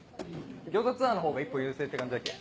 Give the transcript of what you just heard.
餃子ツアーの方が一歩優勢って感じだっけ？